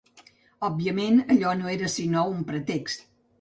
Òbviament allò no era sinó un pretext